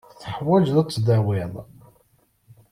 Teḥwajeḍ ad tdawiḍ.